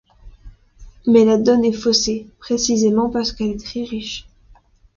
Mais la donne est faussée, précisément parce qu'elle est très riche.